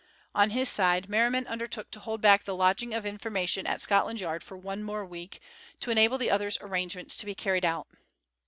On his side, Merriman undertook to hold back the lodging of information at Scotland Yard for one more week, to enable the other's arrangements to be carried out.